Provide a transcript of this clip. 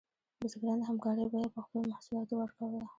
بزګران د همکارۍ بیه په خپلو محصولاتو ورکوله.